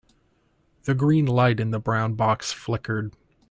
The green light in the brown box flickered.